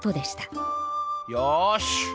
よし！